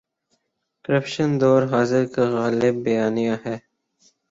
Corruption دور حاضر کا غالب بیانیہ ہے۔